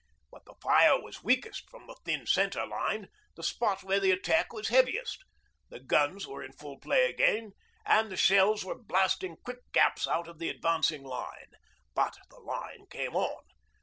But the fire was weakest from the thin centre line, the spot where the attack was heaviest. The guns were in full play again, and the shells were blasting quick gaps out of the advancing line. But the line came on.